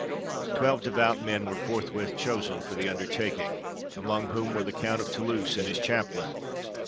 Twelve devout men were forthwith chosen for the undertaking, among whom were the Count of Toulouse and his chaplain.